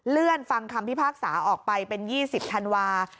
เลื่อนฟังคำพิพากษาออกไปเป็น๒๐ธันวาส์